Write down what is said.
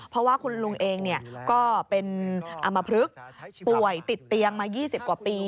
เพราะว่าคุณลุงเองก็เป็นอำมพลึกป่วยติดเตียงมา๒๐กว่าปี